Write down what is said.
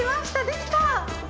できた！